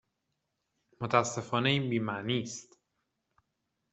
متاسفانه این بی معنی است.